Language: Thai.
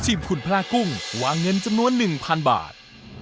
ขุนพลากุ้งวางเงินจำนวน๑๐๐๐บาท